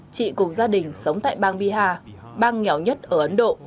chị cùng gia đình sống tại bang biha bang nghèo nhất ở ấn độ